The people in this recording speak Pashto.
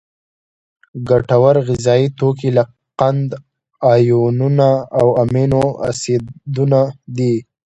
ګټور غذایي توکي لکه قند، آیونونه او امینو اسیدونه دي.